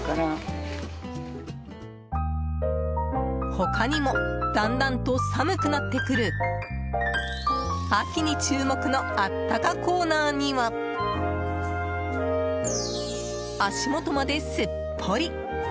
他にもだんだんと寒くなってくる秋に注目のあったかコーナーには足元まですっぽり！